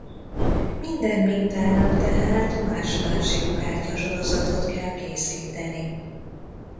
Minden mintának tehát más-más lyukkártya-sorozatot kell készíteni.